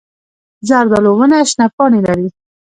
زردالو ونه شنه پاڼې لري.